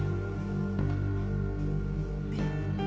えっ？